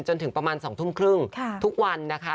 จนถึงประมาณ๒ทุ่มครึ่งทุกวันนะคะ